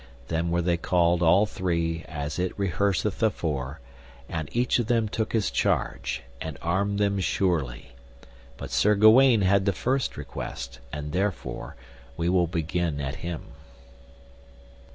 Then were they called all three as it rehearseth afore, and each of them took his charge, and armed them surely. But Sir Gawaine had the first request, and therefore we will begin at him.